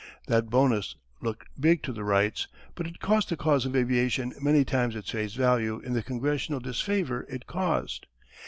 That bonus looked big to the Wrights, but it cost the cause of aviation many times its face value in the congressional disfavour it caused.